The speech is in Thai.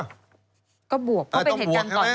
ก็บวกเพราะเป็นเหตุการณ์ต่อเนื่องกัน